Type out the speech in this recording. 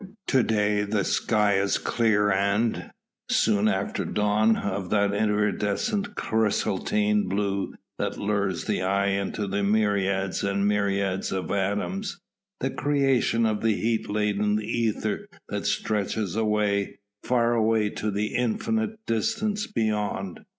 To day the sky is clear and soon after dawn of that iridescent crystalline blue that lures the eye into myriads and myriads of atoms, the creations of the heat laden ether that stretches away far away to the infinite distance beyond.